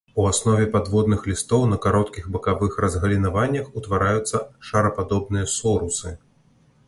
У аснове падводных лістоў на кароткіх бакавых разгалінаваннях утвараюцца шарападобныя сорусы.